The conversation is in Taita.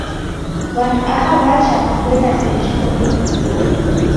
W'andu aha w'acha na kuenda seji koni w'ikunde.